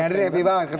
bang yadid happy banget